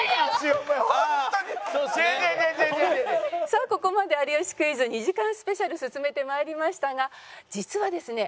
さあここまで『有吉クイズ』２時間スペシャル進めて参りましたが実はですね